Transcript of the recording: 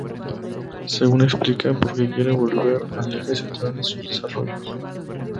Según explica, porque quiere volver al eje central de sus desarrollos.